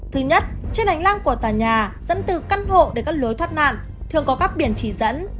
thứ nhất trên hành lang của tòa nhà dẫn từ căn hộ đến các lối thoát nạn thường có các biển chỉ dẫn